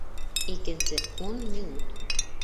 Икенсе ун минут